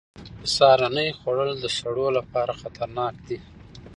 سهارنۍ نه خوړل د سړو لپاره خطرناک دي.